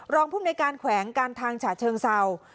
รองภูมิในการแขวงการทางฉาเชิงเซา